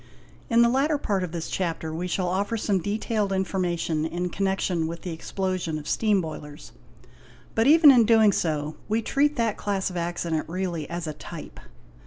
In the latter part of this Chapter we shall offer some detailed infor mation in connection with the explosion of steam boilers, but, even in doing so, we treat that class of accident really as a type.